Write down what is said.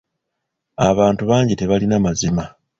Abantu bangi tebalina mazima.